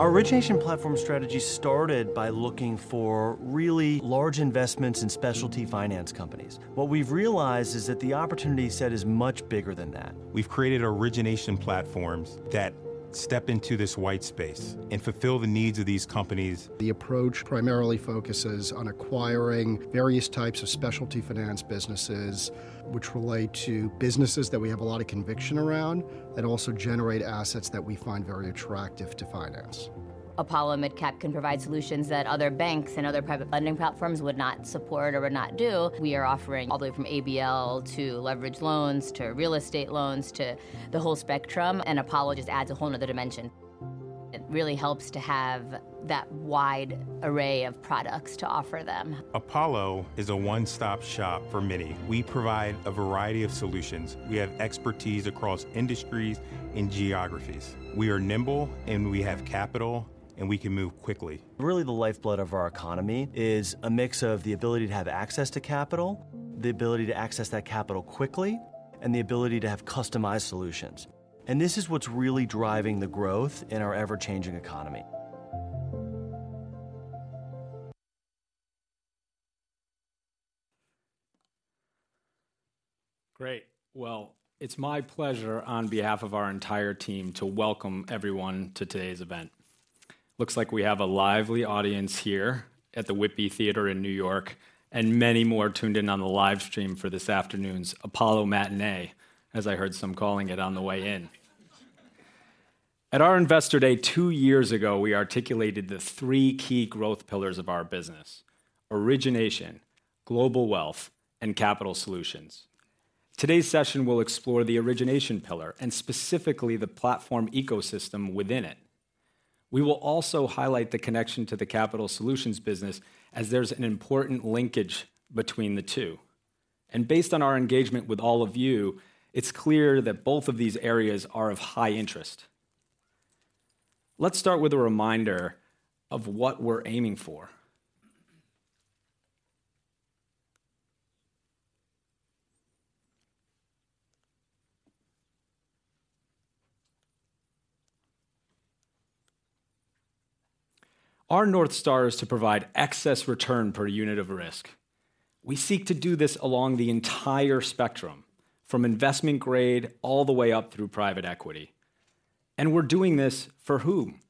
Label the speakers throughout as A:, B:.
A: Our origination platform strategy started by looking for really large investments in specialty finance companies. What we've realized is that the opportunity set is much bigger than that.
B: We've created origination platforms that step into this white space and fulfill the needs of these companies. The approach primarily focuses on acquiring various types of specialty finance businesses, which relate to businesses that we have a lot of conviction around, and also generate assets that we find very attractive to finance. Apollo MidCap can provide solutions that other banks and other private lending platforms would not support or would not do. We are offering all the way from ABL to leverage loans, to real estate loans, to the whole spectrum, and Apollo just adds a whole other dimension. It really helps to have that wide array of products to offer them. Apollo is a one-stop shop for many. We provide a variety of solutions. We have expertise across industries and geographies. We are nimble, and we have capital, and we can move quickly.
A: Really, the lifeblood of our economy is a mix of the ability to have access to capital, the ability to access that capital quickly, and the ability to have customized solutions. This is what's really driving the growth in our ever-changing economy.
C: Great! Well, it's my pleasure, on behalf of our entire team, to welcome everyone to today's event. Looks like we have a lively audience here at the Whitby Theater in New York, and many more tuned in on the live stream for this afternoon's Apollo Matinee, as I heard some calling it on the way in. At our Investor Day two years ago, we articulated the three key growth pillars of our business: origination, global wealth, and capital solutions. Today's session will explore the origination pillar, and specifically the platform ecosystem within it. We will also highlight the connection to the capital solutions business, as there's an important linkage between the two. And based on our engagement with all of you, it's clear that both of these areas are of high interest. Let's start with a reminder of what we're aiming for. Our North Star is to provide excess return per unit of risk. We seek to do this along the entire spectrum, from investment grade all the way up through private equity. And we're doing this for whom?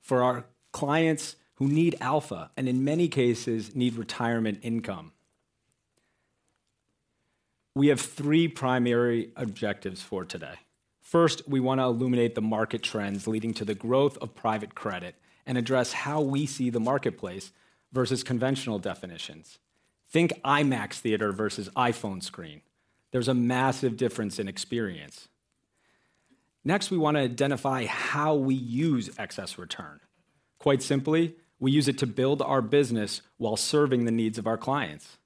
C: For our clients who need alpha, and in many cases, need retirement income. We have three primary objectives for today. First, we want to illuminate the market trends leading to the growth of private credit, and address how we see the marketplace versus conventional definitions. Think IMAX theater versus iPhone screen. There's a massive difference in experience. Next, we want to identify how we use excess return. Quite simply, we use it to build our business while serving the needs of our clients.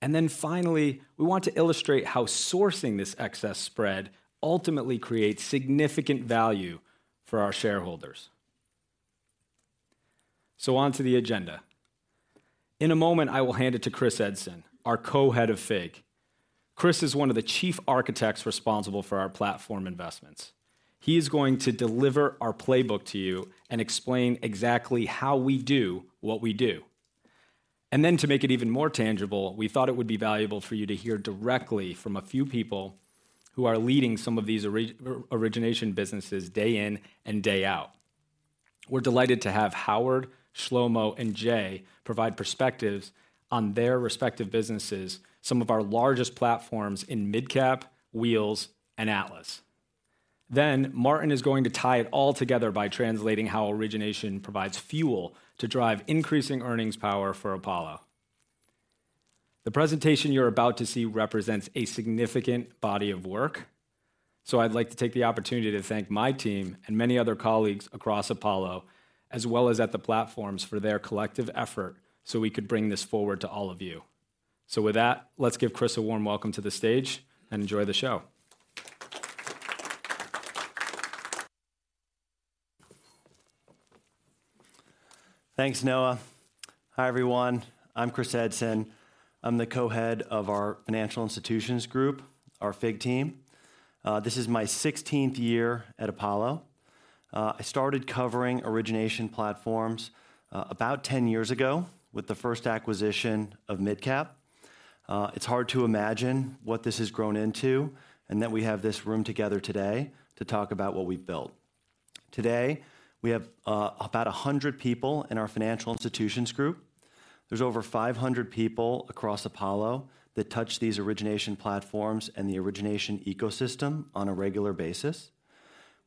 C: And then finally, we want to illustrate how sourcing this excess spread ultimately creates significant value for our shareholders. So on to the agenda. In a moment, I will hand it to Chris Edson, our co-head of FIG. Chris is one of the chief architects responsible for our platform investments. He is going to deliver our playbook to you and explain exactly how we do what we do. And then, to make it even more tangible, we thought it would be valuable for you to hear directly from a few people who are leading some of these origination businesses day in and day out. We're delighted to have Howard, Shlomo, and Jay provide perspectives on their respective businesses, some of our largest platforms in MidCap, Wheels, and Atlas. Then, Martin is going to tie it all together by translating how origination provides fuel to drive increasing earnings power for Apollo. The presentation you're about to see represents a significant body of work, so I'd like to take the opportunity to thank my team and many other colleagues across Apollo, as well as at the platforms, for their collective effort, so we could bring this forward to all of you. With that, let's give Chris a warm welcome to the stage, and enjoy the show.
A: Thanks, Noah. Hi, everyone. I'm Chris Edson. I'm the co-head of our Financial Institutions Group, our FIG team. This is my 16th year at Apollo. I started covering origination platforms, about 10 years ago with the first acquisition of MidCap. It's hard to imagine what this has grown into, and that we have this room together today to talk about what we've built. Today, we have about 100 people in our Financial Institutions Group. There's over 500 people across Apollo that touch these origination platforms and the origination ecosystem on a regular basis.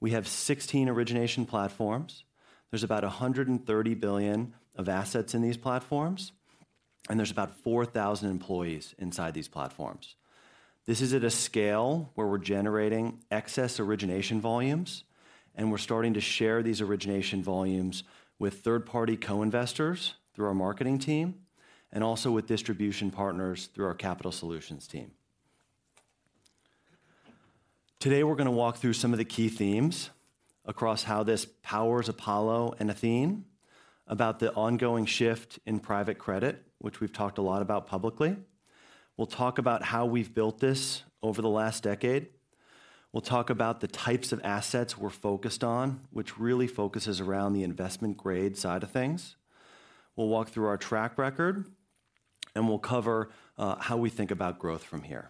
A: We have 16 origination platforms. There's about $130 billion of assets in these platforms, and there's about 4,000 employees inside these platforms. This is at a scale where we're generating excess origination volumes, and we're starting to share these origination volumes with third-party co-investors through our marketing team, and also with distribution partners through our capital solutions team. Today, we're gonna walk through some of the key themes across how this powers Apollo and Athene, about the ongoing shift in private credit, which we've talked a lot about publicly.... We'll talk about how we've built this over the last decade. We'll talk about the types of assets we're focused on, which really focuses around the investment grade side of things. We'll walk through our track record, and we'll cover how we think about growth from here.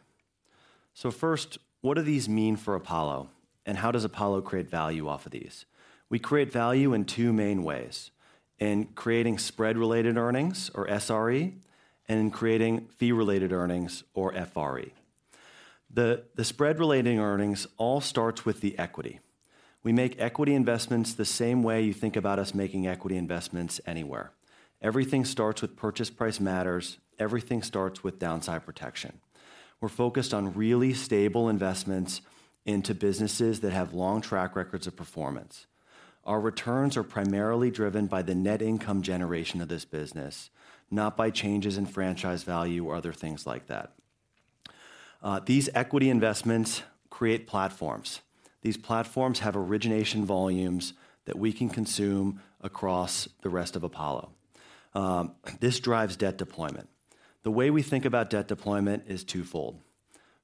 A: So first, what do these mean for Apollo, and how does Apollo create value off of these? We create value in two main ways: in creating spread-related earnings, or SRE, and in creating fee-related earnings, or FRE. The spread-related earnings all starts with the equity. We make equity investments the same way you think about us making equity investments anywhere. Everything starts with purchase price matters. Everything starts with downside protection. We're focused on really stable investments into businesses that have long track records of performance. Our returns are primarily driven by the net income generation of this business, not by changes in franchise value or other things like that. These equity investments create platforms. These platforms have origination volumes that we can consume across the rest of Apollo. This drives debt deployment. The way we think about debt deployment is twofold.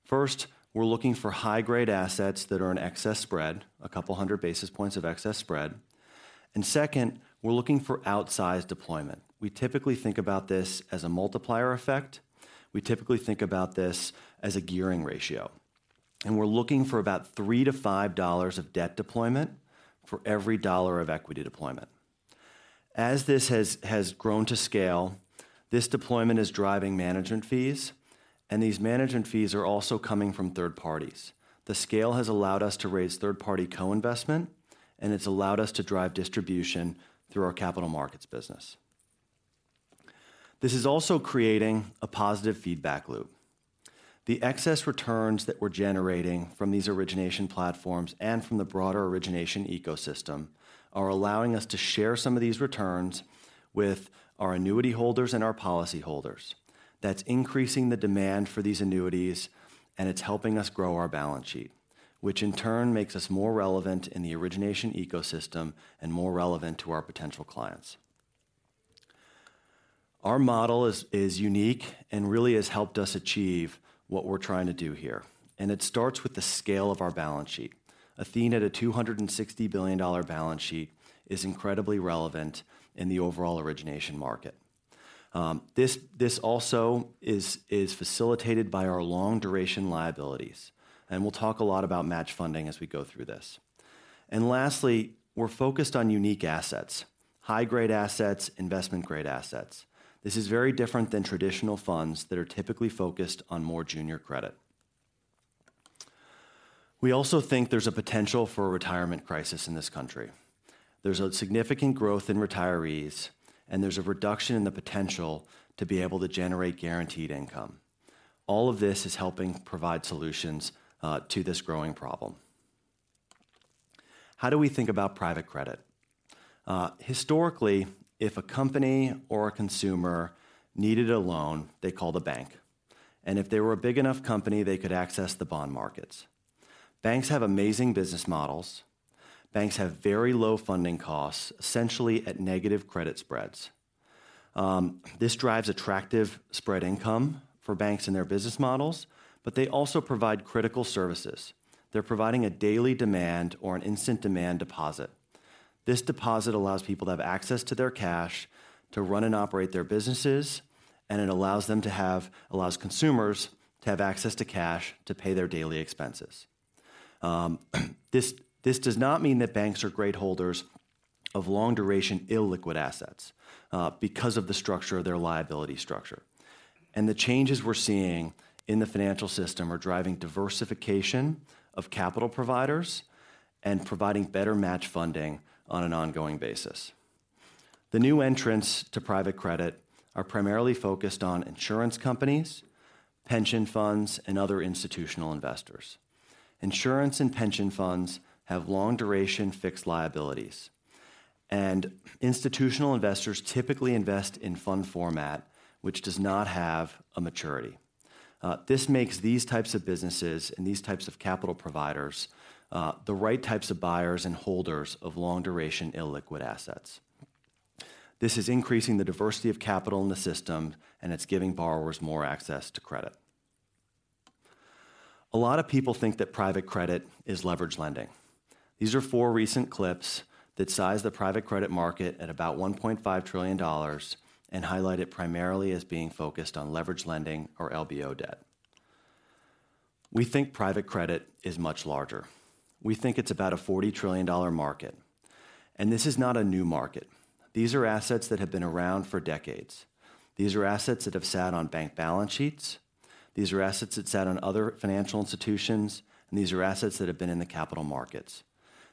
A: First, we're looking for high-grade assets that are in excess spread, 200 basis points of excess spread. And second, we're looking for outsized deployment. We typically think about this as a multiplier effect. We typically think about this as a gearing ratio, and we're looking for about $3-$5 of debt deployment for every $1 of equity deployment. As this has grown to scale, this deployment is driving management fees, and these management fees are also coming from third parties. The scale has allowed us to raise third-party co-investment, and it's allowed us to drive distribution through our capital markets business. This is also creating a positive feedback loop. The excess returns that we're generating from these origination platforms and from the broader origination ecosystem are allowing us to share some of these returns with our annuity holders and our policyholders. That's increasing the demand for these annuities, and it's helping us grow our balance sheet, which in turn makes us more relevant in the origination ecosystem and more relevant to our potential clients. Our model is unique and really has helped us achieve what we're trying to do here, and it starts with the scale of our balance sheet. Athene, at a $260 billion balance sheet, is incredibly relevant in the overall origination market. This also is facilitated by our long-duration liabilities, and we'll talk a lot about match funding as we go through this. And lastly, we're focused on unique assets, high-grade assets, investment-grade assets. This is very different than traditional funds that are typically focused on more junior credit. We also think there's a potential for a retirement crisis in this country. There's a significant growth in retirees, and there's a reduction in the potential to be able to generate guaranteed income. All of this is helping provide solutions to this growing problem. How do we think about private credit? Historically, if a company or a consumer needed a loan, they called a bank, and if they were a big enough company, they could access the bond markets. Banks have amazing business models. Banks have very low funding costs, essentially at negative credit spreads. This drives attractive spread income for banks and their business models, but they also provide critical services. They're providing a daily demand or an instant demand deposit. This deposit allows people to have access to their cash, to run and operate their businesses, and it allows consumers to have access to cash to pay their daily expenses. This does not mean that banks are great holders of long-duration, illiquid assets because of the structure of their liability structure. The changes we're seeing in the financial system are driving diversification of capital providers and providing better match funding on an ongoing basis. The new entrants to private credit are primarily focused on insurance companies, pension funds, and other institutional investors. Insurance and pension funds have long-duration, fixed liabilities, and institutional investors typically invest in fund format, which does not have a maturity. This makes these types of businesses and these types of capital providers the right types of buyers and holders of long-duration, illiquid assets. This is increasing the diversity of capital in the system, and it's giving borrowers more access to credit. A lot of people think that private credit is leverage lending. These are four recent clips that size the private credit market at about $1.5 trillion and highlight it primarily as being focused on leverage lending or LBO debt. We think private credit is much larger. We think it's about a $40 trillion market, and this is not a new market. These are assets that have been around for decades. These are assets that have sat on bank balance sheets, these are assets that sat on other financial institutions, and these are assets that have been in the capital markets.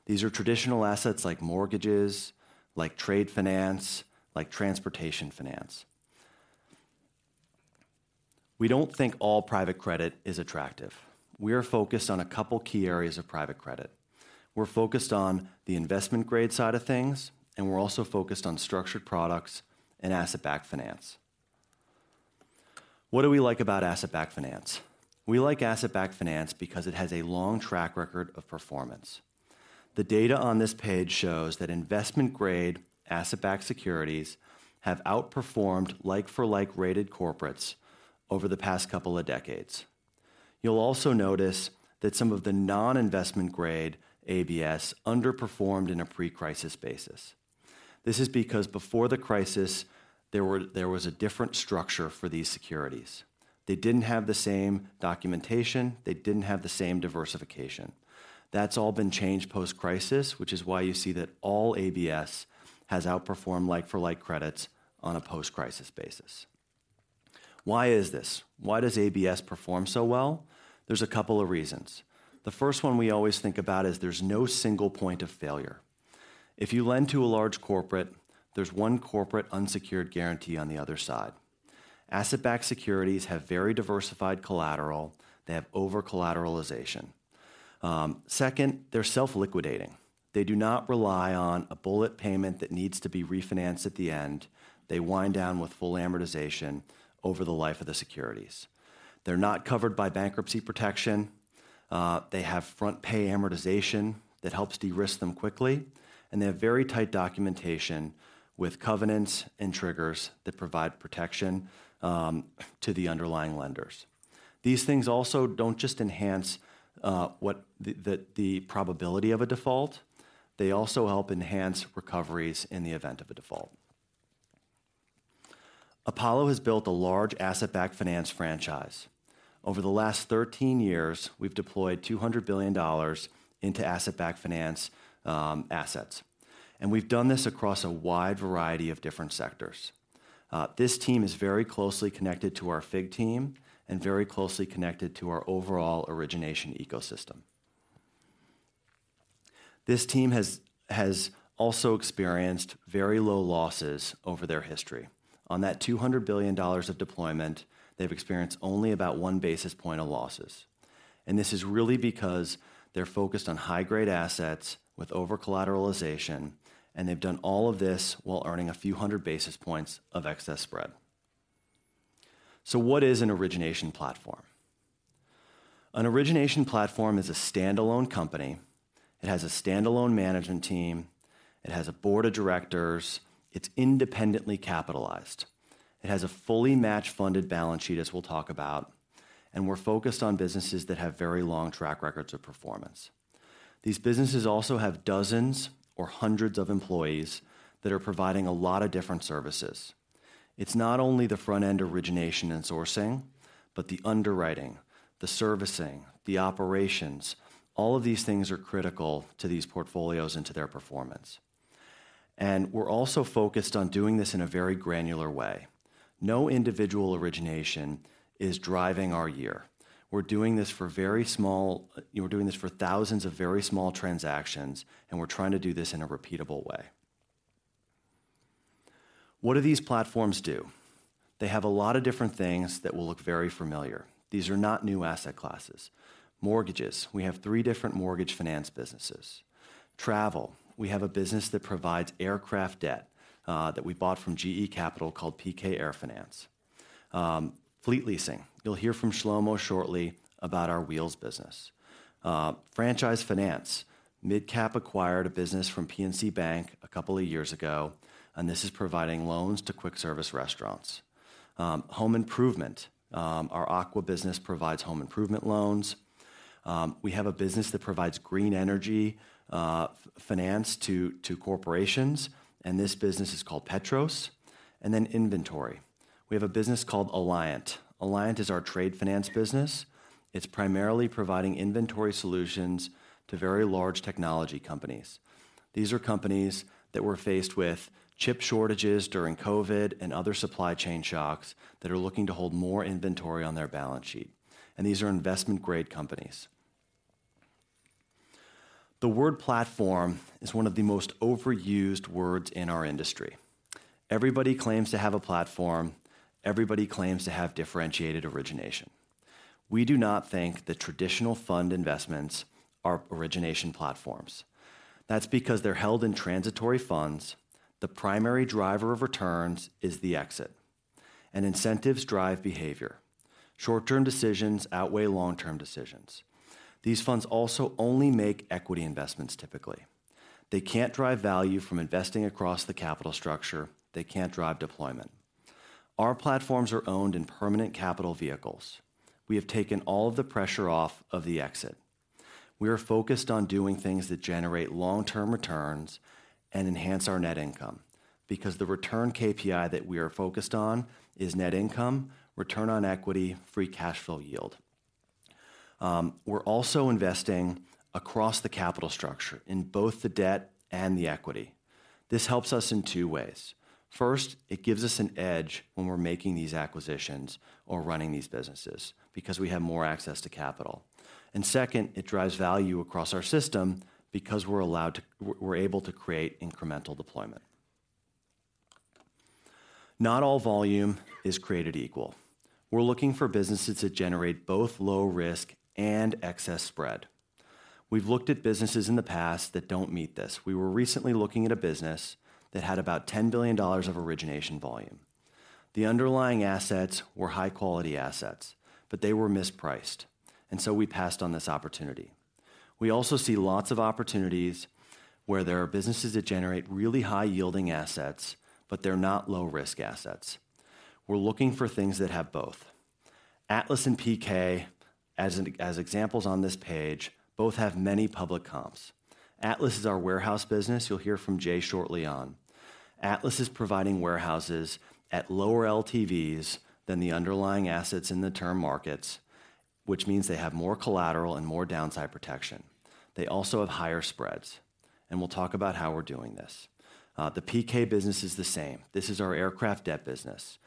A: These are traditional assets like mortgages, like trade finance, like transportation finance. We don't think all private credit is attractive. We're focused on a couple key areas of private credit. We're focused on the investment grade side of things, and we're also focused on structured products and asset-backed finance. What do we like about asset-backed finance? We like asset-backed finance because it has a long track record of performance... The data on this page shows that investment-grade asset-backed securities have outperformed like-for-like rated corporates over the past couple of decades. You'll also notice that some of the non-investment grade ABS underperformed in a pre-crisis basis. This is because before the crisis, there was a different structure for these securities. They didn't have the same documentation, they didn't have the same diversification. That's all been changed post-crisis, which is why you see that all ABS has outperformed like-for-like credits on a post-crisis basis. Why is this? Why does ABS perform so well? There's a couple of reasons. The first one we always think about is there's no single point of failure. If you lend to a large corporate, there's one corporate unsecured guarantee on the other side. Asset-Backed Securities have very diversified collateral, they have over-collateralization. Second, they're self-liquidating. They do not rely on a bullet payment that needs to be refinanced at the end. They wind down with full amortization over the life of the securities. They're not covered by bankruptcy protection, they have front-pay amortization that helps de-risk them quickly, and they have very tight documentation with covenants and triggers that provide protection to the underlying lenders. These things also don't just enhance the probability of a default, they also help enhance recoveries in the event of a default. Apollo has built a large asset-backed finance franchise. Over the last 13 years, we've deployed $200 billion into asset-backed finance assets, and we've done this across a wide variety of different sectors. This team is very closely connected to our FIG team and very closely connected to our overall origination ecosystem. This team has also experienced very low losses over their history. On that $200 billion of deployment, they've experienced only about one basis point of losses. This is really because they're focused on high-grade assets with over-collateralization, and they've done all of this while earning a few hundred basis points of excess spread. What is an origination platform? An origination platform is a standalone company. It has a standalone management team, it has a board of directors, it's independently capitalized. It has a fully match-funded balance sheet, as we'll talk about, and we're focused on businesses that have very long track records of performance. These businesses also have dozens or hundreds of employees that are providing a lot of different services. It's not only the front-end origination and sourcing, but the underwriting, the servicing, the operations. All of these things are critical to these portfolios and to their performance. We're also focused on doing this in a very granular way. No individual origination is driving our year. We're doing this for thousands of very small transactions, and we're trying to do this in a repeatable way. What do these platforms do? They have a lot of different things that will look very familiar. These are not new asset classes. Mortgages. We have three different mortgage finance businesses. Travel. We have a business that provides aircraft debt, that we bought from GE Capital called PK AirFinance. Fleet leasing. You'll hear from Shlomo shortly about our Wheels business. Franchise finance. MidCap acquired a business from PNC Bank a couple of years ago, and this is providing loans to quick service restaurants. Home improvement. Our Aqua business provides home improvement loans. We have a business that provides green energy finance to corporations, and this business is called Petros. And then inventory. We have a business called Eliant. Eliant is our trade finance business. It's primarily providing inventory solutions to very large technology companies. These are companies that were faced with chip shortages during COVID and other supply chain shocks, that are looking to hold more inventory on their balance sheet, and these are investment-grade companies. The word "platform" is one of the most overused words in our industry. Everybody claims to have a platform, everybody claims to have differentiated origination. We do not think that traditional fund investments are origination platforms. That's because they're held in transitory funds, the primary driver of returns is the exit, and incentives drive behavior. Short-term decisions outweigh long-term decisions. These funds also only make equity investments, typically. They can't drive value from investing across the capital structure, they can't drive deployment. Our platforms are owned in permanent capital vehicles. We have taken all of the pressure off of the exit. We are focused on doing things that generate long-term returns and enhance our net income, because the return KPI that we are focused on is net income, return on equity, free cash flow yield. We're also investing across the capital structure in both the debt and the equity. This helps us in two ways. First, it gives us an edge when we're making these acquisitions or running these businesses, because we have more access to capital. Second, it drives value across our system because we're able to create incremental deployment. Not all volume is created equal. We're looking for businesses that generate both low risk and excess spread. We've looked at businesses in the past that don't meet this. We were recently looking at a business that had about $10 billion of origination volume. The underlying assets were high-quality assets, but they were mispriced, and so we passed on this opportunity. We also see lots of opportunities where there are businesses that generate really high-yielding assets, but they're not low-risk assets. We're looking for things that have both. Atlas and PK, as examples on this page, both have many public comps. Atlas is our warehouse business. You'll hear from Jay shortly on. Atlas is providing warehouses at lower LTVs than the underlying assets in the term markets, which means they have more collateral and more downside protection. They also have higher spreads, and we'll talk about how we're doing this. The PK business is the same. This is our aircraft debt business.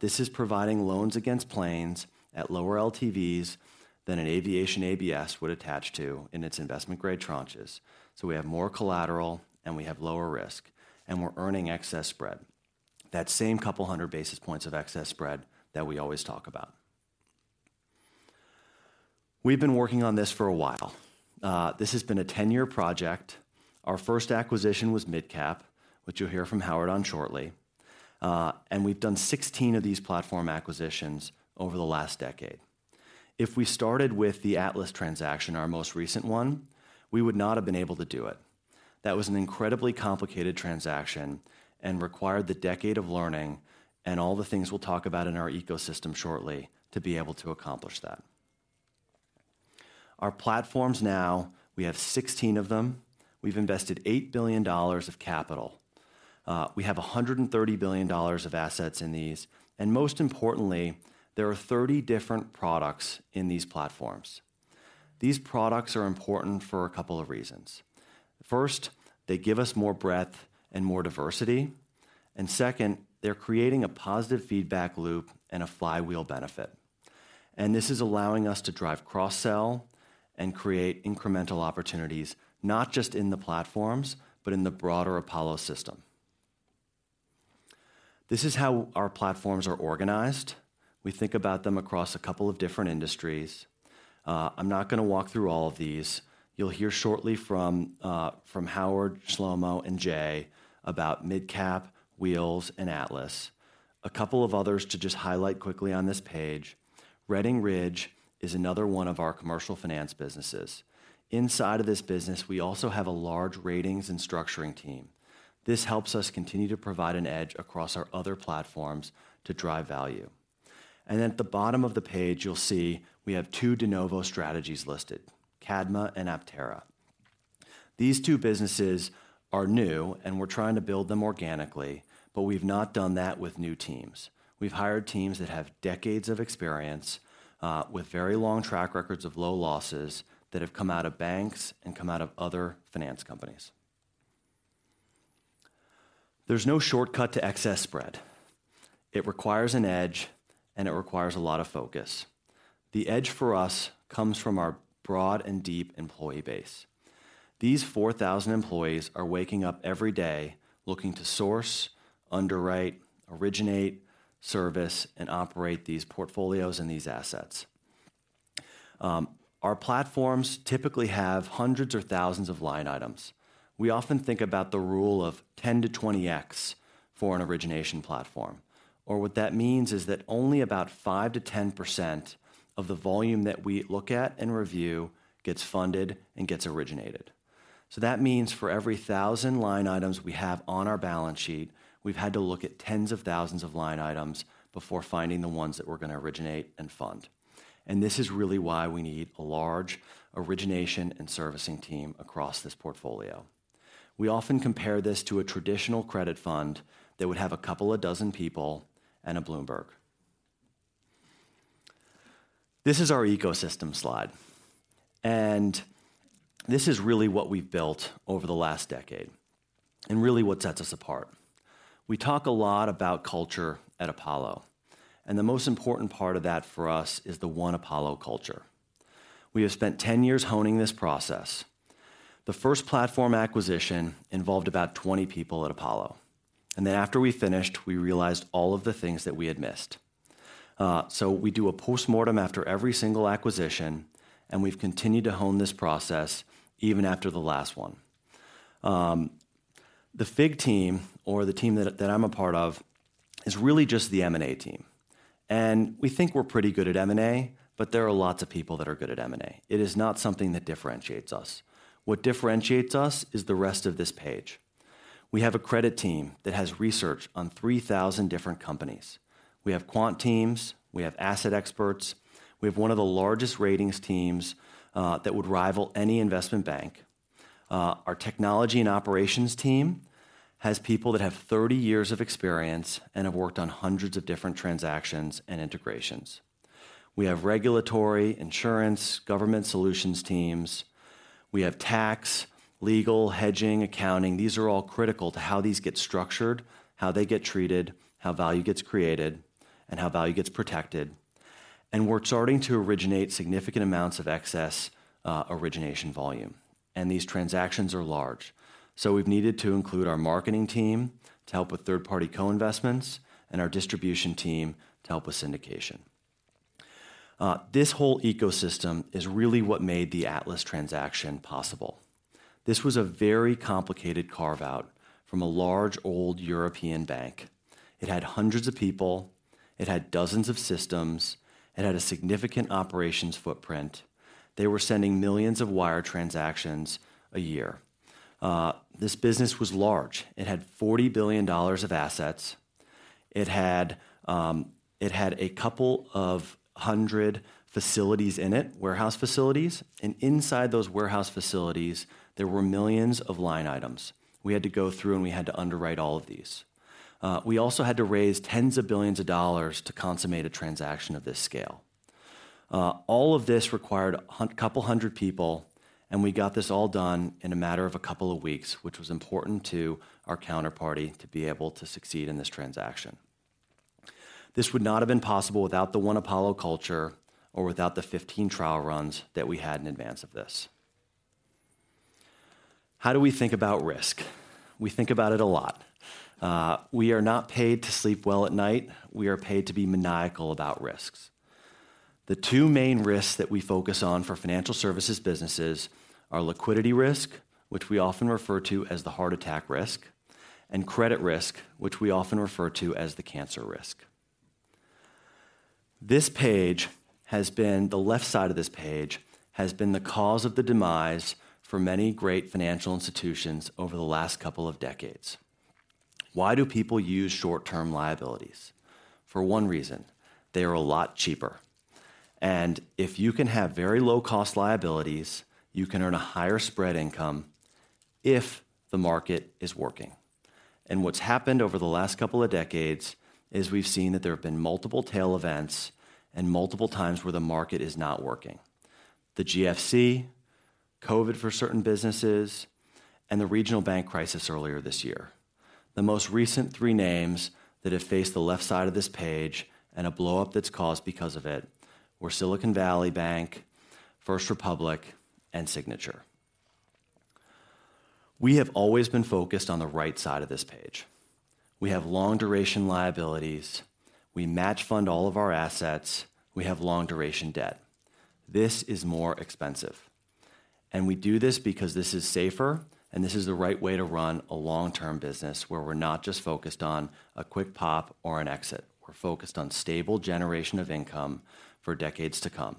A: This is providing loans against planes at lower LTVs than an aviation ABS would attach to in its investment-grade tranches. So we have more collateral, and we have lower risk, and we're earning excess spread. That same 200 basis points of excess spread that we always talk about. We've been working on this for a while. This has been a 10-year project. Our first acquisition was MidCap, which you'll hear from Howard on shortly. And we've done 16 of these platform acquisitions over the last decade. If we started with the Atlas transaction, our most recent one, we would not have been able to do it. That was an incredibly complicated transaction and required the decade of learning and all the things we'll talk about in our ecosystem shortly to be able to accomplish that. Our platforms now, we have 16 of them. We've invested $8 billion of capital. We have $130 billion of assets in these, and most importantly, there are 30 different products in these platforms. These products are important for a couple of reasons. First, they give us more breadth and more diversity, and second, they're creating a positive feedback loop and a flywheel benefit. This is allowing us to drive cross-sell and create incremental opportunities, not just in the platforms, but in the broader Apollo system. This is how our platforms are organized. We think about them across a couple of different industries. I'm not going to walk through all of these. You'll hear shortly from, from Howard, Shlomo, and Jay about MidCap, Wheels, and Atlas. A couple of others to just highlight quickly on this page. Redding Ridge is another one of our commercial finance businesses. Inside of this business, we also have a large ratings and structuring team. This helps us continue to provide an edge across our other platforms to drive value. And at the bottom of the page, you'll see we have two de novo strategies listed, Cadma and Athora. These two businesses are new, and we're trying to build them organically, but we've not done that with new teams. We've hired teams that have decades of experience, with very long track records of low losses that have come out of banks and come out of other finance companies. There's no shortcut to excess spread. It requires an edge, and it requires a lot of focus. The edge for us comes from our broad and deep employee base. These 4,000 employees are waking up every day looking to source, underwrite, originate, service, and operate these portfolios and these assets. Our platforms typically have hundreds or thousands of line items. We often think about the rule of 10x-20x for an origination platform. Or what that means is that only about 5%-10% of the volume that we look at and review gets funded and gets originated. That means for every 1,000 line items we have on our balance sheet, we've had to look at tens of thousands of line items before finding the ones that we're going to originate and fund. This is really why we need a large origination and servicing team across this portfolio. We often compare this to a traditional credit fund that would have a couple of dozen people and a Bloomberg. This is our ecosystem slide, and this is really what we've built over the last decade and really what sets us apart. We talk a lot about culture at Apollo, and the most important part of that for us is the One Apollo culture. We have spent 10 years honing this process. The first platform acquisition involved about 20 people at Apollo, and then after we finished, we realized all of the things that we had missed. So we do a postmortem after every single acquisition, and we've continued to hone this process even after the last one. The FIG team, or the team that I, that I'm a part of, is really just the M&A team. And we think we're pretty good at M&A, but there are lots of people that are good at M&A. It is not something that differentiates us. What differentiates us is the rest of this page. We have a credit team that has research on 3,000 different companies. We have quant teams. We have asset experts. We have one of the largest ratings teams that would rival any investment bank. Our technology and operations team has people that have 30 years of experience and have worked on hundreds of different transactions and integrations. We have regulatory, insurance, government solutions teams. We have tax, legal, hedging, accounting. These are all critical to how these get structured, how they get treated, how value gets created, and how value gets protected. We're starting to originate significant amounts of excess origination volume, and these transactions are large. We've needed to include our marketing team to help with third-party co-investments and our distribution team to help with syndication. This whole ecosystem is really what made the Atlas transaction possible. This was a very complicated carve-out from a large, old European bank. It had hundreds of people, it had dozens of systems, it had a significant operations footprint. They were sending millions of wire transactions a year. This business was large. It had $40 billion of assets. It had, it had a couple of 100 facilities in it, warehouse facilities, and inside those warehouse facilities, there were millions of line items. We had to go through and we had to underwrite all of these. We also had to raise tens of billions of dollars to consummate a transaction of this scale. All of this required a couple hundred people, and we got this all done in a matter of a couple of weeks, which was important to our counterparty to be able to succeed in this transaction. This would not have been possible without the One Apollo culture or without the 15 trial runs that we had in advance of this. How do we think about risk? We think about it a lot. We are not paid to sleep well at night. We are paid to be maniacal about risks. The two main risks that we focus on for financial services businesses are liquidity risk, which we often refer to as the heart attack risk, and credit risk, which we often refer to as the cancer risk. This page has been... The left side of this page has been the cause of the demise for many great financial institutions over the last couple of decades. Why do people use short-term liabilities? For one reason, they are a lot cheaper. And if you can have very low-cost liabilities, you can earn a higher spread income if the market is working. And what's happened over the last couple of decades is we've seen that there have been multiple tail events and multiple times where the market is not working. The GFC, COVID for certain businesses, and the regional bank crisis earlier this year. The most recent three names that have faced the left side of this page, and a blowup that's caused because of it, were Silicon Valley Bank, First Republic, and Signature. We have always been focused on the right side of this page. We have long-duration liabilities, we match fund all of our assets, we have long-duration debt. This is more expensive, and we do this because this is safer, and this is the right way to run a long-term business, where we're not just focused on a quick pop or an exit. We're focused on stable generation of income for decades to come.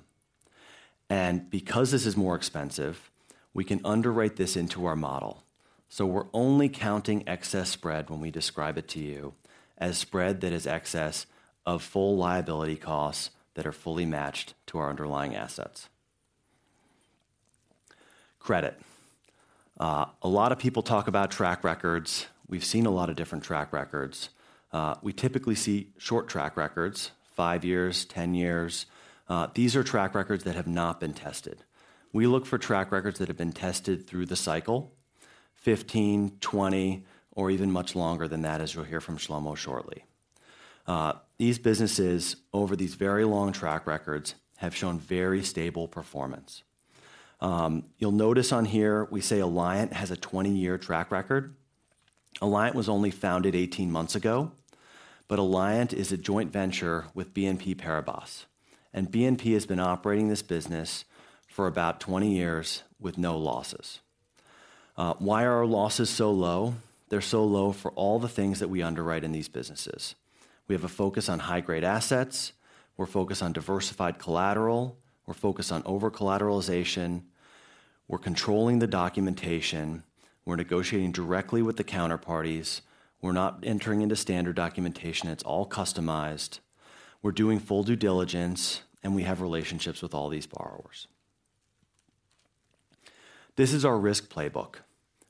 A: And because this is more expensive, we can underwrite this into our model, so we're only counting excess spread when we describe it to you as spread that is excess of full liability costs that are fully matched to our underlying assets. Credit. A lot of people talk about track records. We've seen a lot of different track records. We typically see short track records, five years, 10 years. These are track records that have not been tested. We look for track records that have been tested through the cycle, 15, 20, or even much longer than that, as you'll hear from Shlomo shortly. These businesses, over these very long track records, have shown very stable performance. You'll notice on here we say Eliant has a 20-year track record. Eliant was only founded 18 months ago, but Eliant is a joint venture with BNP Paribas, and BNP has been operating this business for about 20 years with no losses. Why are our losses so low? They're so low for all the things that we underwrite in these businesses. We have a focus on high-grade assets, we're focused on diversified collateral, we're focused on over-collateralization, we're controlling the documentation, we're negotiating directly with the counterparties, we're not entering into standard documentation, it's all customized, we're doing full due diligence, and we have relationships with all these borrowers. This is our risk playbook.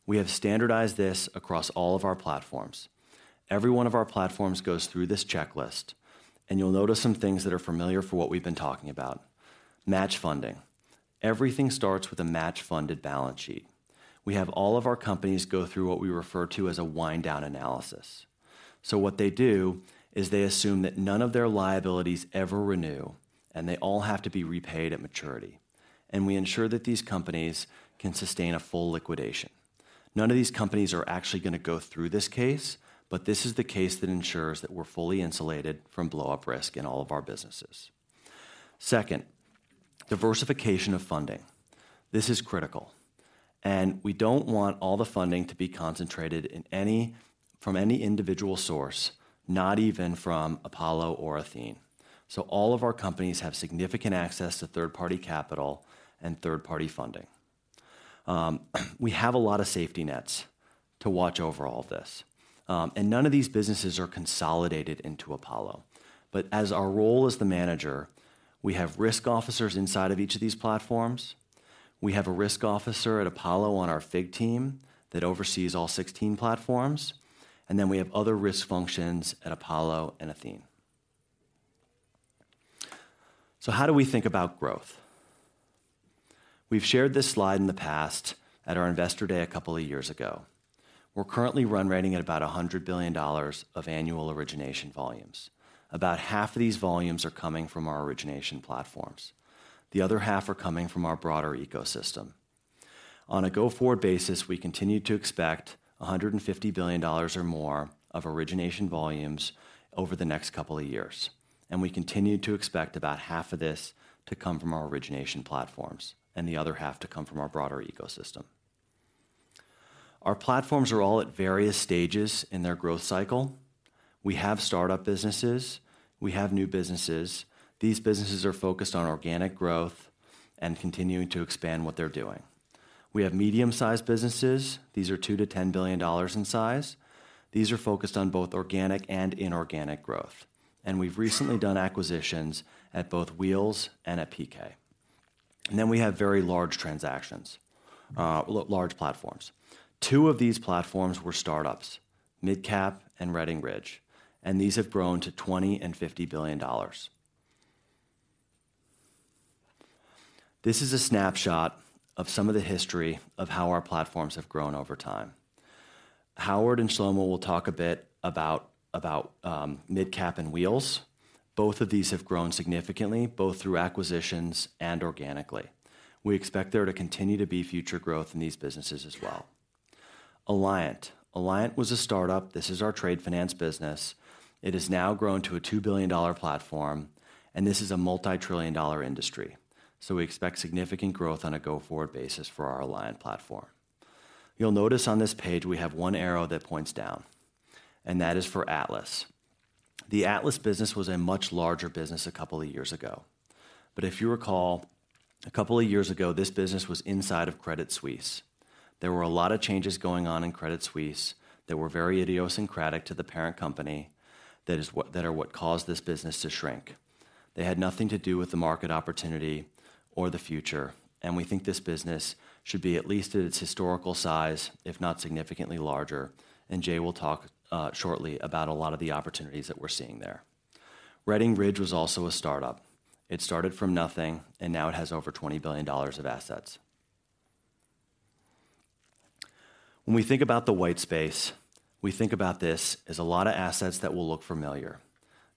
A: We have standardized this across all of our platforms. Every one of our platforms goes through this checklist, and you'll notice some things that are familiar for what we've been talking about. Match funding. Everything starts with a match-funded balance sheet. We have all of our companies go through what we refer to as a wind down analysis. So what they do is they assume that none of their liabilities ever renew, and they all have to be repaid at maturity. We ensure that these companies can sustain a full liquidation. None of these companies are actually gonna go through this case, but this is the case that ensures that we're fully insulated from blowup risk in all of our businesses. Second, diversification of funding. This is critical, and we don't want all the funding to be concentrated in any from any individual source, not even from Apollo or Athene. So all of our companies have significant access to third-party capital and third-party funding. We have a lot of safety nets to watch over all of this, and none of these businesses are consolidated into Apollo. But as our role as the manager, we have risk officers inside of each of these platforms, we have a risk officer at Apollo on our FIG team that oversees all 16 platforms, and then we have other risk functions at Apollo and Athene. So how do we think about growth? We've shared this slide in the past at our Investor Day a couple of years ago. We're currently run-rate at about $100 billion of annual origination volumes. About half of these volumes are coming from our origination platforms. The other half are coming from our broader ecosystem.... On a go-forward basis, we continue to expect $150 billion or more of origination volumes over the next couple of years, and we continue to expect about half of this to come from our origination platforms, and the other half to come from our broader ecosystem. Our platforms are all at various stages in their growth cycle. We have startup businesses, we have new businesses. These businesses are focused on organic growth and continuing to expand what they're doing. We have medium-sized businesses. These are $2 billion-$10 billion in size. These are focused on both organic and inorganic growth, and we've recently done acquisitions at both Wheels and at PK. Then we have very large transactions, large platforms. Two of these platforms were startups, MidCap and Reading Ridge, and these have grown to $20 billion and $50 billion. This is a snapshot of some of the history of how our platforms have grown over time. Howard and Shlomo will talk a bit about MidCap and Wheels. Both of these have grown significantly, both through acquisitions and organically. We expect there to continue to be future growth in these businesses as well. Eliant. Eliant was a startup. This is our trade finance business. It has now grown to a $2 billion platform, and this is a multi-trillion-dollar industry. So we expect significant growth on a go-forward basis for our Eliant platform. You'll notice on this page we have one arrow that points down, and that is for Atlas. The Atlas business was a much larger business a couple of years ago. But if you recall, a couple of years ago, this business was inside of Credit Suisse. There were a lot of changes going on in Credit Suisse that were very idiosyncratic to the parent company, that are what caused this business to shrink. They had nothing to do with the market opportunity or the future, and we think this business should be at least at its historical size, if not significantly larger, and Jay will talk shortly about a lot of the opportunities that we're seeing there. Reading Ridge was also a startup. It started from nothing, and now it has over $20 billion of assets. When we think about the white space, we think about this as a lot of assets that will look familiar.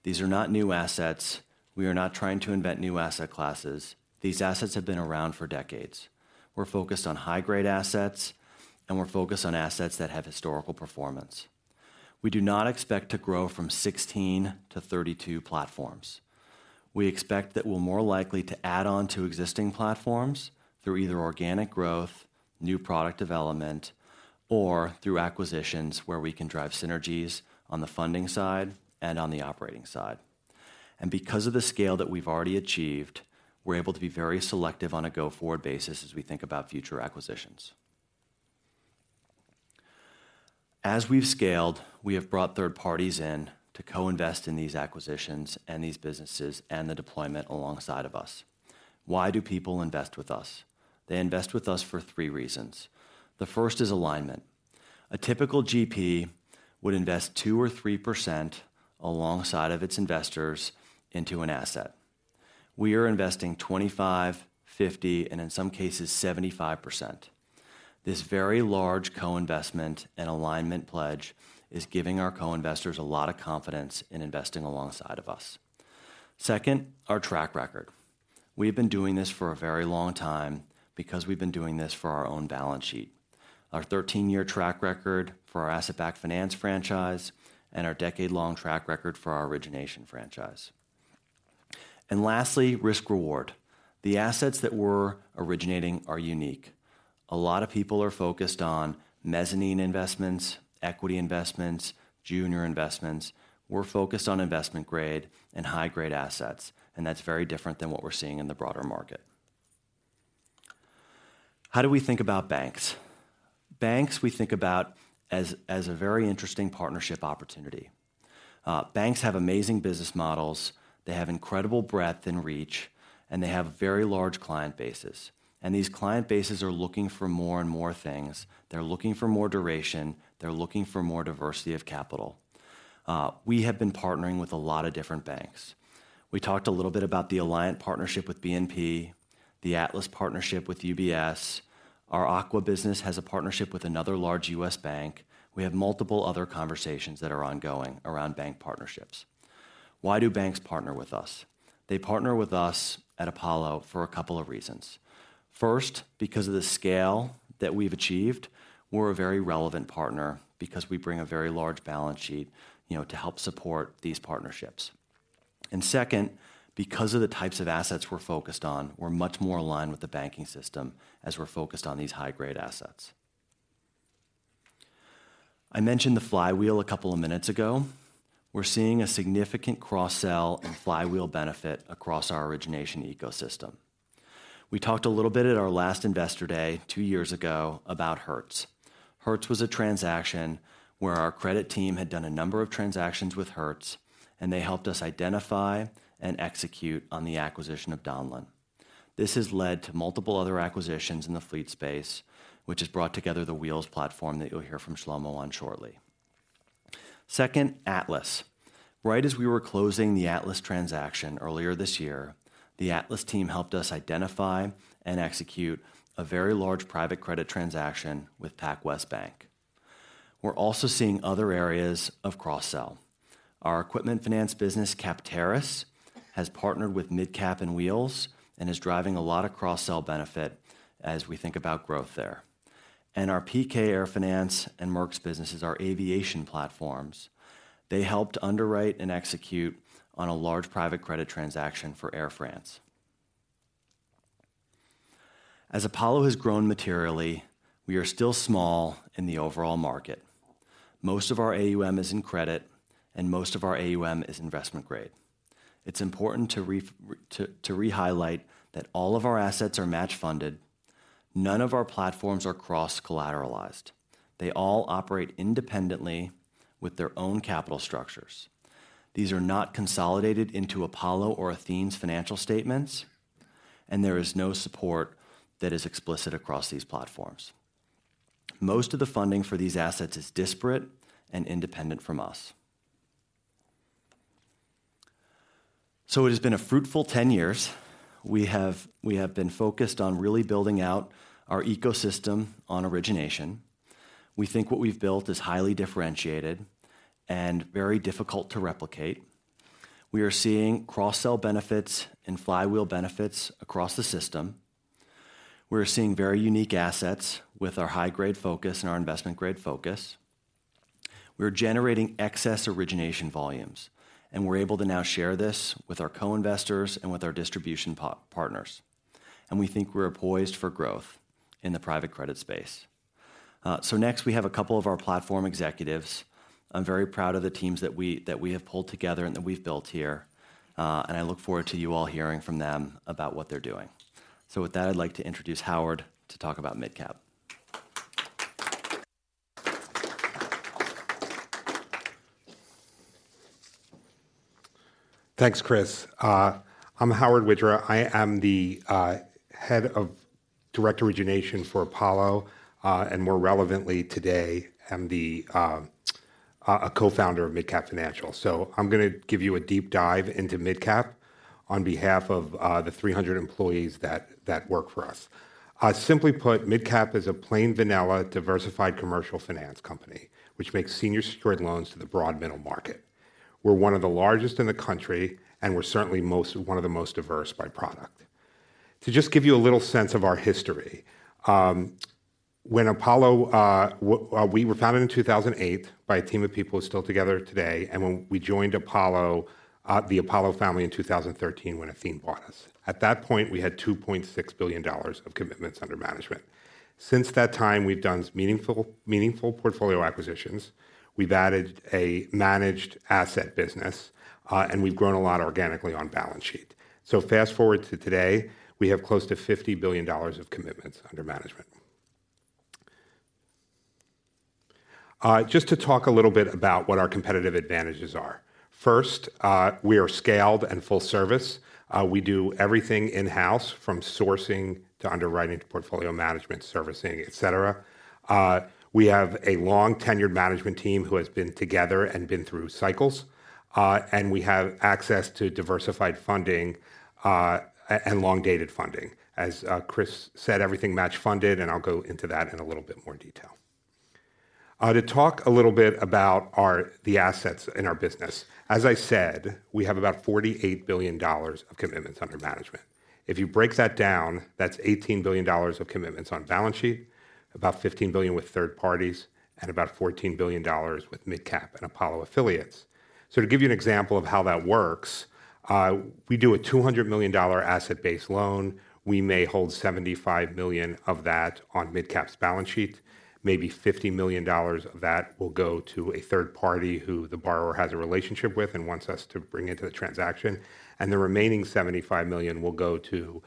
A: These are not new assets. We are not trying to invent new asset classes. These assets have been around for decades. We're focused on high-grade assets, and we're focused on assets that have historical performance. We do not expect to grow from 16 to 32 platforms. We expect that we'll more likely to add on to existing platforms through either organic growth, new product development, or through acquisitions where we can drive synergies on the funding side and on the operating side. And because of the scale that we've already achieved, we're able to be very selective on a go-forward basis as we think about future acquisitions. As we've scaled, we have brought third parties in to co-invest in these acquisitions and these businesses and the deployment alongside of us. Why do people invest with us? They invest with us for three reasons. The first is alignment. A typical GP would invest 2% or 3% alongside of its investors into an asset. We are investing 25, 50, and in some cases, 75%. This very large co-investment and alignment pledge is giving our co-investors a lot of confidence in investing alongside of us. Second, our track record. We've been doing this for a very long time because we've been doing this for our own balance sheet. Our 13-year track record for our asset-backed finance franchise and our decade-long track record for our origination franchise. And lastly, risk-reward. The assets that we're originating are unique. A lot of people are focused on mezzanine investments, equity investments, junior investments. We're focused on investment-grade and high-grade assets, and that's very different than what we're seeing in the broader market. How do we think about banks? Banks, we think about as, as a very interesting partnership opportunity. Banks have amazing business models, they have incredible breadth and reach, and they have very large client bases. And these client bases are looking for more and more things. They're looking for more duration. They're looking for more diversity of capital. We have been partnering with a lot of different banks. We talked a little bit about the Eliant partnership with BNP, the Atlas partnership with UBS. Our Aqua business has a partnership with another large U.S. bank. We have multiple other conversations that are ongoing around bank partnerships. Why do banks partner with us? They partner with us at Apollo for a couple of reasons. First, because of the scale that we've achieved, we're a very relevant partner because we bring a very large balance sheet, you know, to help support these partnerships. And second, because of the types of assets we're focused on, we're much more aligned with the banking system as we're focused on these high-grade assets. I mentioned the flywheel a couple of minutes ago. We're seeing a significant cross-sell and flywheel benefit across our origination ecosystem. We talked a little bit at our last Investor Day, two years ago, about Hertz. Hertz was a transaction where our credit team had done a number of transactions with Hertz, and they helped us identify and execute on the acquisition of Donlen. This has led to multiple other acquisitions in the fleet space, which has brought together the Wheels platform that you'll hear from Shlomo on shortly. Second, Atlas. Right as we were closing the Atlas transaction earlier this year, the Atlas team helped us identify and execute a very large private credit transaction with PacWest Bank. We're also seeing other areas of cross-sell. Our equipment finance business, Capteris, has partnered with MidCap and Wheels, and is driving a lot of cross-sell benefit as we think about growth there. Our PK Air Finance and Merx businesses, our aviation platforms, helped underwrite and execute on a large private credit transaction for Air France. As Apollo has grown materially, we are still small in the overall market. Most of our AUM is in credit, and most of our AUM is investment grade. It's important to re-highlight that all of our assets are match funded. None of our platforms are cross-collateralized. They all operate independently with their own capital structures. These are not consolidated into Apollo or Athene's financial statements, and there is no support that is explicit across these platforms. Most of the funding for these assets is disparate and independent from us. It has been a fruitful 10 years. We have been focused on really building out our ecosystem on origination. We think what we've built is highly differentiated and very difficult to replicate. We are seeing cross-sell benefits and flywheel benefits across the system. We're seeing very unique assets with our high-grade focus and our investment-grade focus. We're generating excess origination volumes, and we're able to now share this with our co-investors and with our distribution partners. We think we're poised for growth in the private credit space. So next, we have a couple of our platform executives. I'm very proud of the teams that we have pulled together and that we've built here, and I look forward to you all hearing from them about what they're doing. So with that, I'd like to introduce Howard to talk about MidCap.
D: Thanks, Chris. I'm Howard Widra. I am the head of direct origination for Apollo, and more relevantly today, I'm a co-founder of MidCap Financial. So I'm gonna give you a deep dive into MidCap on behalf of the 300 employees that work for us. Simply put, MidCap is a plain vanilla, diversified commercial finance company, which makes senior secured loans to the broad middle market. We're one of the largest in the country, and we're certainly one of the most diverse by product. To just give you a little sense of our history, when we were founded in 2008 by a team of people who are still together today, and when we joined Apollo, the Apollo family in 2013, when Athene bought us. At that point, we had $2.6 billion of commitments under management. Since that time, we've done meaningful, meaningful portfolio acquisitions. We've added a managed asset business, and we've grown a lot organically on balance sheet. Fast-forward to today, we have close to $50 billion of commitments under management. Just to talk a little bit about what our competitive advantages are. First, we are scaled and full service. We do everything in-house, from sourcing to underwriting to portfolio management, servicing, et cetera. We have a long-tenured management team who has been together and been through cycles, and we have access to diversified funding, and long-dated funding. As Chris said, everything match funded, and I'll go into that in a little bit more detail. To talk a little bit about the assets in our business. As I said, we have about $48 billion of commitments under management. If you break that down, that's $18 billion of commitments on balance sheet, about $15 billion with third parties, and about $14 billion with MidCap and Apollo affiliates. So to give you an example of how that works, we do a $200 million asset-based loan. We may hold $75 million of that on MidCap's balance sheet. Maybe $50 million of that will go to a third party who the borrower has a relationship with and wants us to bring into the transaction, and the remaining $75 million will go to,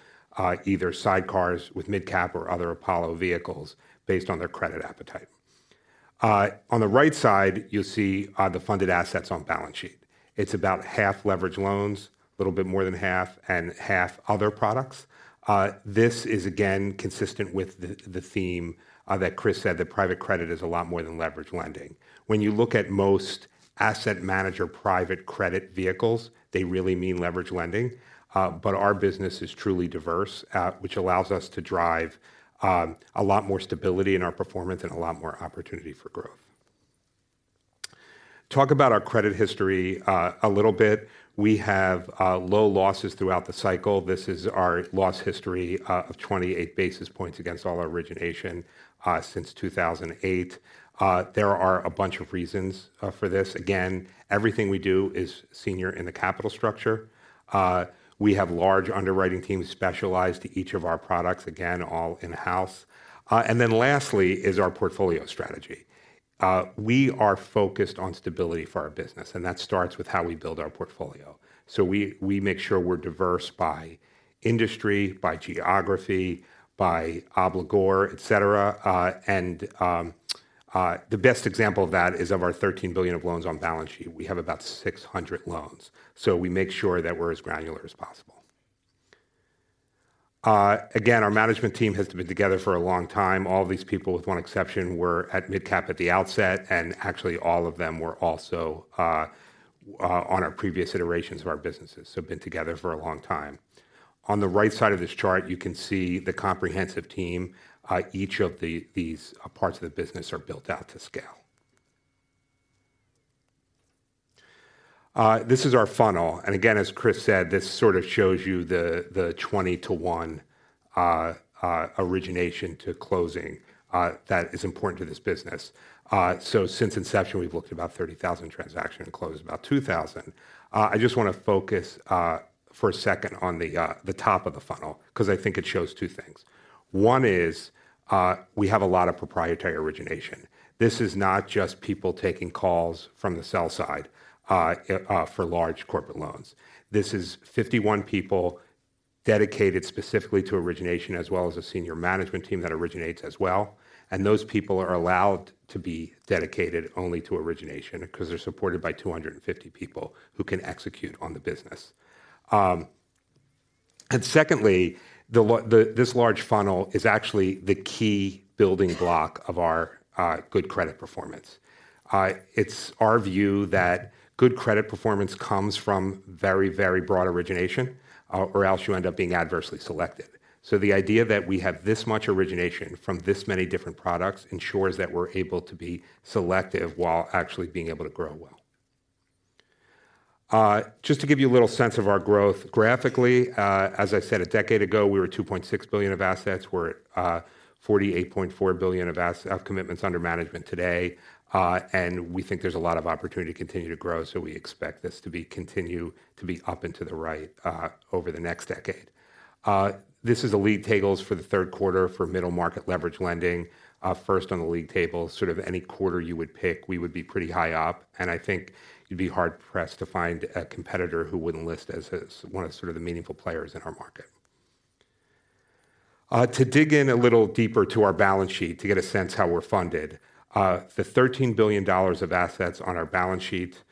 D: either sidecars with MidCap or other Apollo vehicles based on their credit appetite. On the right side, you'll see the funded assets on balance sheet. It's about half leveraged loans, a little bit more than half, and half other products. This is again consistent with the theme that Chris said, that private credit is a lot more than leveraged lending. When you look at most asset manager private credit vehicles, they really mean leveraged lending, but our business is truly diverse, which allows us to drive a lot more stability in our performance and a lot more opportunity for growth. Talk about our credit history a little bit. We have low losses throughout the cycle. This is our loss history of 28 basis points against all our origination since 2008. There are a bunch of reasons for this. Again, everything we do is senior in the capital structure. We have large underwriting teams specialized to each of our products, again, all in-house. And then lastly is our portfolio strategy. We are focused on stability for our business, and that starts with how we build our portfolio. So we make sure we're diverse by industry, by geography, by obligor, et cetera. And the best example of that is of our $13 billion of loans on balance sheet, we have about 600 loans, so we make sure that we're as granular as possible. Again, our management team has been together for a long time. All these people, with one exception, were at MidCap at the outset, and actually all of them were also on our previous iterations of our businesses, so been together for a long time. On the right side of this chart, you can see the comprehensive team. Each of the, these, parts of the business are built out to scale. This is our funnel, and again, as Chris said, this sort of shows you the, the 20-to-one origination to closing, that is important to this business. So since inception, we've looked at about 30,000 transactions and closed about 2,000. I just wanna focus, for a second on the, the top of the funnel, 'cause I think it shows two things. One is, we have a lot of proprietary origination. This is not just people taking calls from the sell side, for large corporate loans. This is 51 people dedicated specifically to origination, as well as a senior management team that originates as well, and those people are allowed to be dedicated only to origination, 'cause they're supported by 250 people who can execute on the business. And secondly, this large funnel is actually the key building block of our good credit performance. It's our view that good credit performance comes from very, very broad origination, or else you end up being adversely selected. So the idea that we have this much origination from this many different products ensures that we're able to be selective while actually being able to grow well. Just to give you a little sense of our growth graphically, as I said, a decade ago, we were $2.6 billion of assets. We're at $48.4 billion of as of commitments under management today, and we think there's a lot of opportunity to continue to grow, so we expect this to continue to be up and to the right over the next decade. This is the league tables for the third quarter for middle market leverage lending. First on the league table, sort of any quarter you would pick, we would be pretty high up, and I think you'd be hard-pressed to find a competitor who wouldn't list as one of the sort of the meaningful players in our market. To dig in a little deeper to our balance sheet, to get a sense how we're funded, the $13 billion of assets on our balance sheet,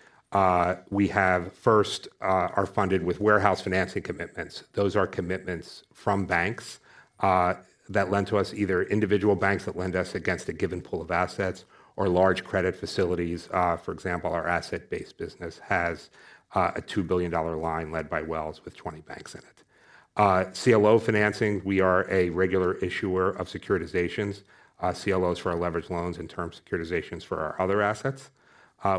D: we have first are funded with warehouse financing commitments. Those are commitments from banks that lend to us, either individual banks that lend us against a given pool of assets or large credit facilities. For example, our asset-based business has a $2 billion line led by Wells with 20 banks in it. CLO financing. We are a regular issuer of securitizations, CLOs for our leverage loans and term securitizations for our other assets.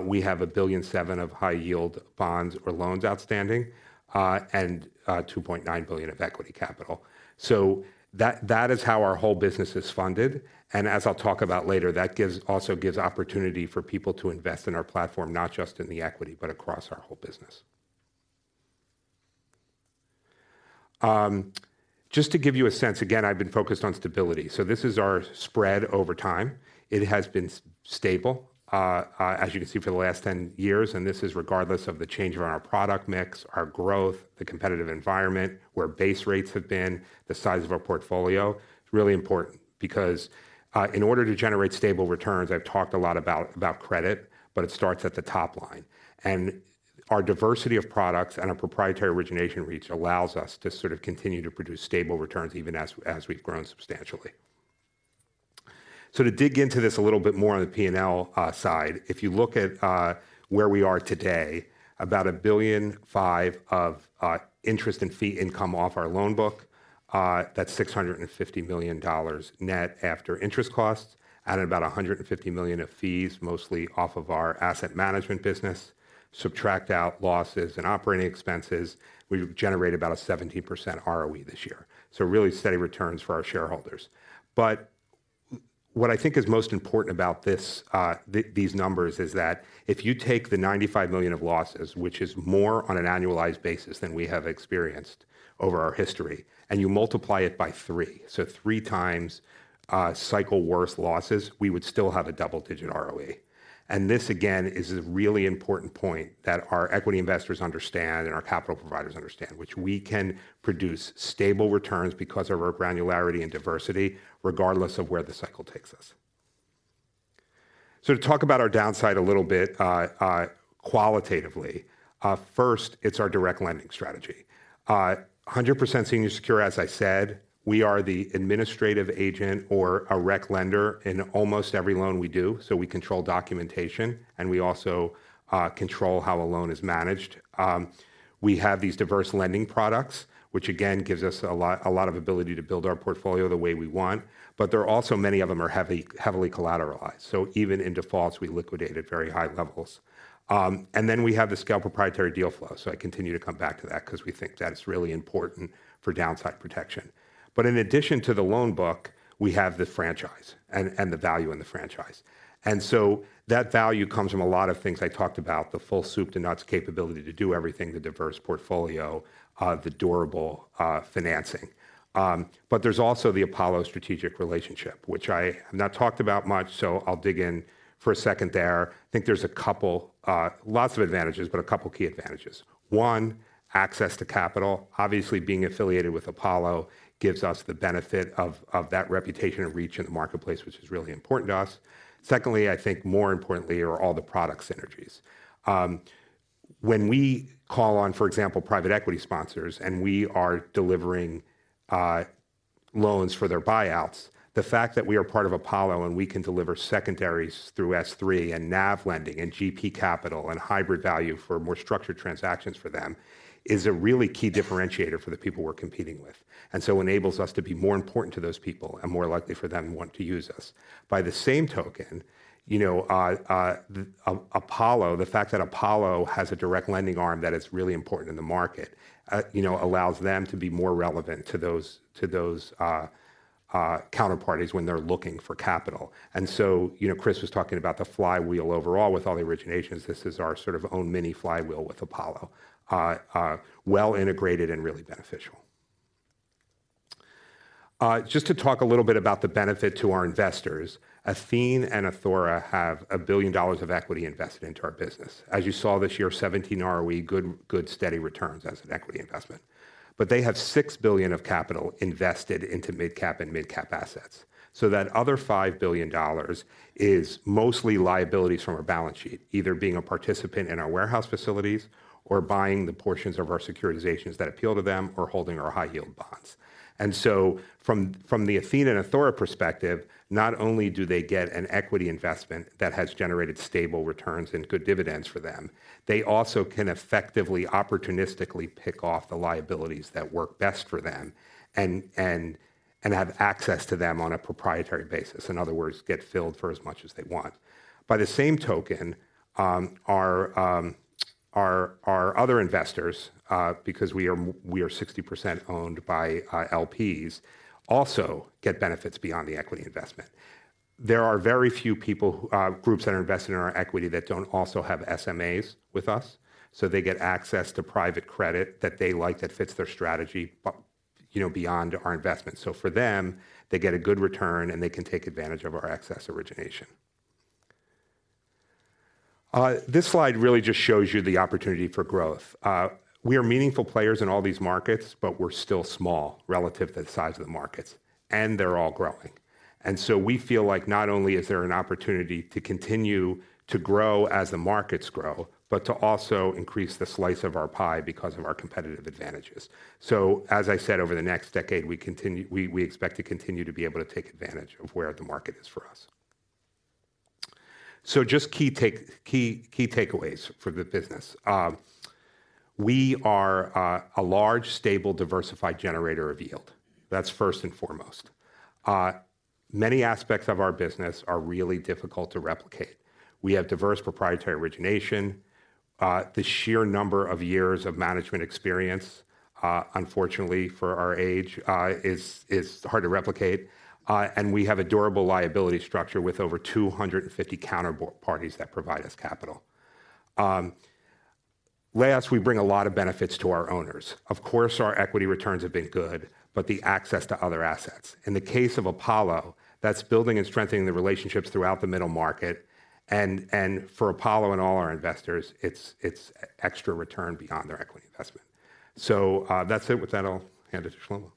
D: We have $1.7 billion of high-yield bonds or loans outstanding, and $2.9 billion of equity capital. So that, that is how our whole business is funded, and as I'll talk about later, that gives, also gives opportunity for people to invest in our platform, not just in the equity, but across our whole business. Just to give you a sense, again, I've been focused on stability, so this is our spread over time. It has been stable, as you can see, for the last 10 years, and this is regardless of the change in our product mix, our growth, the competitive environment, where base rates have been, the size of our portfolio. It's really important because, in order to generate stable returns, I've talked a lot about credit, but it starts at the top line. And our diversity of products and our proprietary origination reach allows us to sort of continue to produce stable returns even as we've grown substantially. So to dig into this a little bit more on the P&L side, if you look at where we are today, about $1.5 billion of interest and fee income off our loan book, that's $650 million net after interest costs, added about $150 million of fees, mostly off of our asset management business. Subtract out losses and operating expenses, we've generated about a 70% ROE this year, so really steady returns for our shareholders. But what I think is most important about this, these numbers is that if you take the $95 million of losses, which is more on an annualized basis than we have experienced over our history, and you multiply it by three, so three times, cycle worse losses, we would still have a double-digit ROE. This, again, is a really important point that our equity investors understand and our capital providers understand, which we can produce stable returns because of our granularity and diversity, regardless of where the cycle takes us. To talk about our downside a little bit, qualitatively, first, it's our direct lending strategy. 100% senior secured, as I said, we are the administrative agent or a lead lender in almost every loan we do, so we control documentation, and we also control how a loan is managed. We have these diverse lending products, which again, gives us a lot, a lot of ability to build our portfolio the way we want, but there are also many of them are heavily collateralized, so even in defaults, we liquidate at very high levels. And then we have the scale proprietary deal flow, so I continue to come back to that 'cause we think that is really important for downside protection. But in addition to the loan book, we have the franchise and the value in the franchise. And so that value comes from a lot of things I talked about, the full soup to nuts capability to do everything, the diverse portfolio, the durable financing. But there's also the Apollo strategic relationship, which I have not talked about much, so I'll dig in for a second there. I think there's a couple lots of advantages, but a couple of key advantages. One, access to capital. Obviously, being affiliated with Apollo gives us the benefit of that reputation and reach in the marketplace, which is really important to us. Secondly, I think more importantly, are all the product synergies. When we call on, for example, private equity sponsors, and we are delivering loans for their buyouts, the fact that we are part of Apollo and we can deliver secondaries through S3, and NAV Lending, and GP Capital, and Hybrid Value for more structured transactions for them, is a really key differentiator for the people we're competing with, and so enables us to be more important to those people and more likely for them to want to use us. By the same token, you know, Apollo, the fact that Apollo has a direct lending arm that is really important in the market, you know, allows them to be more relevant to those counterparties when they're looking for capital. You know, Chris was talking about the flywheel overall with all the originations. This is our sort of own mini flywheel with Apollo, well integrated and really beneficial. Just to talk a little bit about the benefit to our investors. Athene and Athora have $1 billion of equity invested into our business. As you saw this year, 17% ROE, good, good steady returns as an equity investment. But they have $6 billion of capital invested into MidCap and MidCap assets. So that other $5 billion is mostly liabilities from our balance sheet, either being a participant in our warehouse facilities or buying the portions of our securitizations that appeal to them or holding our high-yield bonds. And so from the Athene and Athora perspective, not only do they get an equity investment that has generated stable returns and good dividends for them, they also can effectively, opportunistically pick off the liabilities that work best for them, and have access to them on a proprietary basis, in other words, get filled for as much as they want. By the same token, our other investors, because we are sixty percent owned by LPs, also get benefits beyond the equity investment. There are very few people who groups that are invested in our equity that don't also have SMAs with us, so they get access to private credit that they like, that fits their strategy, but, you know, beyond our investment. So for them, they get a good return, and they can take advantage of our excess origination. This slide really just shows you the opportunity for growth. We are meaningful players in all these markets, but we're still small relative to the size of the markets, and they're all growing. And so we feel like not only is there an opportunity to continue to grow as the markets grow, but to also increase the slice of our pie because of our competitive advantages. So as I said, over the next decade, we expect to continue to be able to take advantage of where the market is for us. So just key takeaways for the business. We are a large, stable, diversified generator of yield. That's first and foremost. Many aspects of our business are really difficult to replicate. We have diverse proprietary origination. The sheer number of years of management experience, unfortunately for our age, is hard to replicate. And we have a durable liability structure with over 250 counterparties that provide us capital. Last, we bring a lot of benefits to our owners. Of course, our equity returns have been good, but the access to other assets. In the case of Apollo, that's building and strengthening the relationships throughout the middle market, and for Apollo and all our investors, it's extra return beyond their equity investment. So, that's it. With that, I'll hand it to Shlomo.